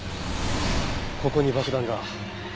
ここに爆弾が。